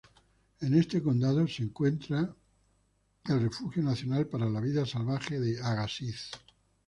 En este condado se encuentra el refugio nacional para la vida salvaje de "Agassiz".